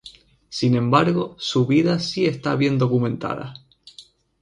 Sin embargo, su vida sí está bien documentada.